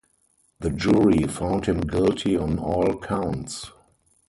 The jury found him guilty on all counts.